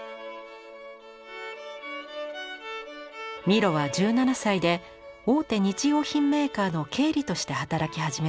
ミロは１７歳で大手日用品メーカーの経理として働き始めます。